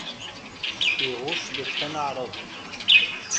Iɣuc Le Pen Aɛraben.